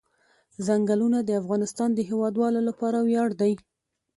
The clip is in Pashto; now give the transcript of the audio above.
ځنګلونه د افغانستان د هیوادوالو لپاره ویاړ دی.